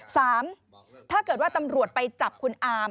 สามถ้าเกิดว่าตำรวจไปจับคุณอาม